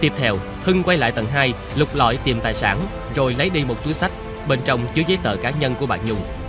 tiếp theo hưng quay lại tầng hai lục lọi tìm tài sản rồi lấy đi một túi sách bên trong chứa giấy tờ cá nhân của bà nhung